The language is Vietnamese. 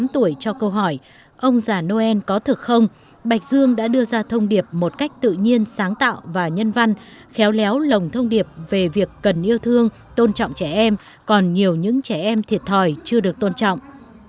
một mươi tám tuổi cho câu hỏi ông già noel có thực không bạch dương đã đưa ra thông điệp một cách tự nhiên sáng tạo và nhân văn khéo léo lồng thông điệp về việc cần yêu thương tôn trọng trẻ em còn nhiều những trẻ em thiệt thòi chưa được tôn trọng